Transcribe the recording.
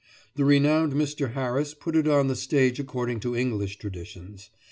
The renowned Mr. Harris put it on the stage according to English traditions.